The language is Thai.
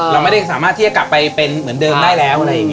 เราไม่ได้สามารถที่จะกลับไปเป็นเหมือนเดิมได้แล้ว